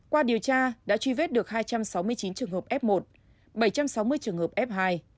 qua điều tra đã truy vết được hai trăm sáu mươi chín trường hợp f một bảy trăm sáu mươi trường hợp f hai